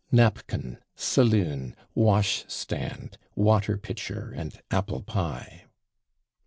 /napkin/, /saloon/, /wash stand/, /water pitcher/ and /apple pie